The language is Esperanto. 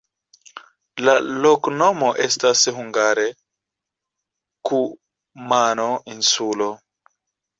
La loknomo estas hungare: kumano-insulo.